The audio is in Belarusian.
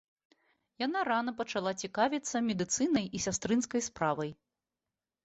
Яна рана пачала цікавіцца медыцынай і сястрынскай справай.